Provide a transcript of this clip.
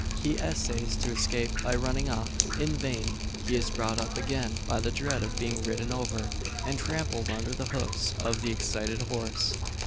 He essays to escape by running off. In vain. He is brought up again by the dread of being ridden over, and trampled under the hoofs of the excited horse.